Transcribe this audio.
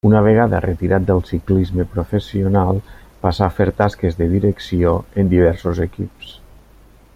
Una vegada retirat del ciclisme professional passà a fer tasques de direcció en diversos equips.